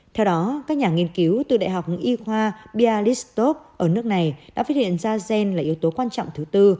theo đó các nhà nghiên cứu từ đại học y khoa bialistop ở nước này đã phát hiện da gen là yếu tố quan trọng thứ tư